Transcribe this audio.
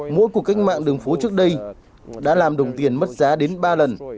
mỗi cuộc cách mạng đường phố trước đây đã làm đồng tiền mất giá đến ba lần